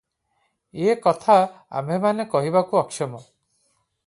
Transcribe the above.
ଏକଥା ଆମ୍ଭେମାନେ କହିବାକୁ ଅକ୍ଷମ ।